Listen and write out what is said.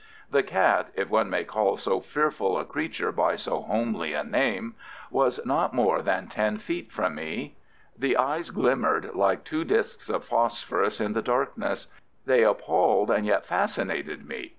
The cat (if one may call so fearful a creature by so homely a name) was not more than ten feet from me. The eyes glimmered like two discs of phosphorus in the darkness. They appalled and yet fascinated me.